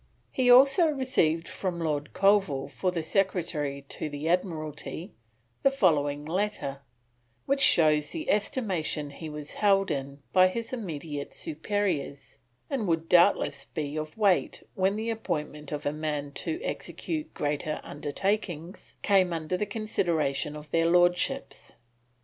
He also received from Lord Colville for the Secretary to the Admiralty the following letter which shows the estimation he was held in by his immediate superiors, and would doubtless be of weight when the appointment of a man to execute greater undertakings came under the consideration of their Lordships.